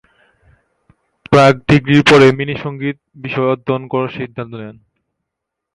প্রাক ডিগ্রির পরে, মিনি সংগীত বিষয়ে অধ্যয়ন করার সিদ্ধান্ত নেন।